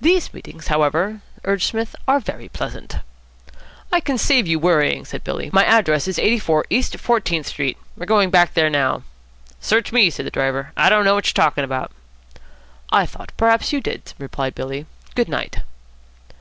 "These meetings, however," urged Psmith, "are very pleasant." "I can save you worrying," said Billy. "My address is 84 East Fourteenth Street. We are going back there now." "Search me," said the driver, "I don't know what you're talking about." "I thought perhaps you did," replied Billy. "Good night."